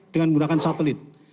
dengan menggunakan satelit